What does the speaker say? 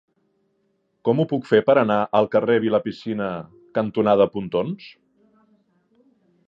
Com ho puc fer per anar al carrer Vilapicina cantonada Pontons?